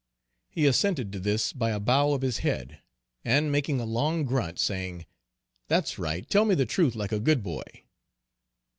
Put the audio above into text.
He assented to this by a bow of his head, and making a long grunt saying, "That's right, tell me the truth like a good boy."